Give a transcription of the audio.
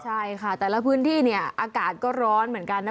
ใช่ค่ะแต่ละพื้นที่เนี่ยอากาศก็ร้อนเหมือนกันนะ